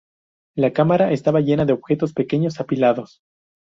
La cámara estaba llena de objetos pequeños apilados.